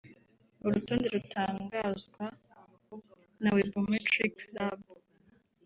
urutonde rutangazwa na Webometrics lab